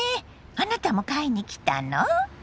あなたも買いに来たの？